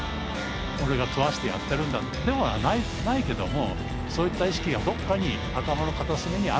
「俺が食わせてやってるんだ」ではないけどもそういった意識がどっかに頭の片隅にあるんだと思いますね。